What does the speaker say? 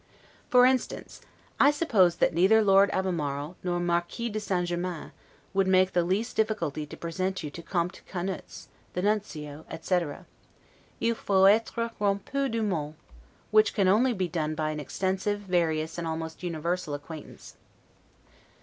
For instance, I suppose that neither Lord Albemarle, nor Marquis de St. Germain, would make the least difficulty to present you to Comte Caunitz, the Nuncio, etc. 'Il faut etre rompu du monde', which can only be done by an extensive, various, and almost universal acquaintance.